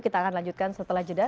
kita akan lanjutkan setelah jeda